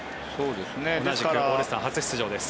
同じくオールスター初出場です。